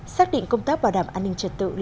xác định công tác bảo đảm an ninh trật tự